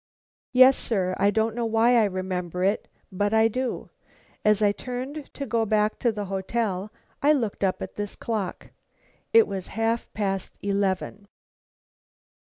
"Yes, sir. I don't know why I remember it, but I do. As I turned to go back to the hotel, I looked up at this clock. It was half past eleven."